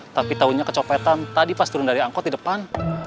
tapi taunya kecopetan tadi pas turun dari angkot di depan